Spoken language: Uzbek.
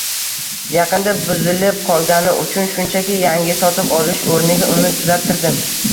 Yaqinda buzilib qolgani uchun shunchaki yangi sotib olish oʻrniga uni tuzattirdim.